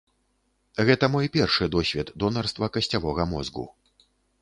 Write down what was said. Гэта мой першы досвед донарства касцявога мозгу.